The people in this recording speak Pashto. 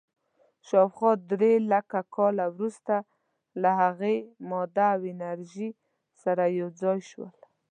شاوخوا درېلکه کاله وروسته له هغې، ماده او انرژي سره یو ځای شول.